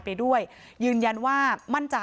พร้อมด้วยผลตำรวจเอกนรัฐสวิตนันอธิบดีกรมราชทัน